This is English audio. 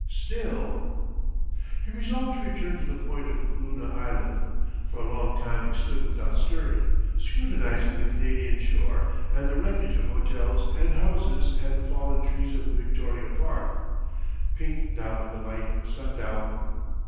Still " He resolved to return to the point of Luna Island. For a long time he stood without stirring, scrutinising the Canadian shore and the wreckage of hotels and houses and the fallen trees of the Victoria Park, pink now in the light of sundown.